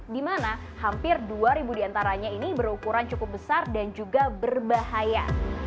di mana hampir dua diantaranya ini berukuran cukup besar dan juga berbahaya